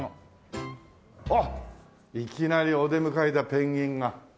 あっいきなりお出迎えだペンギンが。